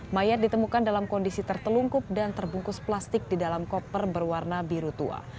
mayat ditemukan dalam kondisi tertelungkup dan terbungkus plastik di dalam koper berwarna biru tua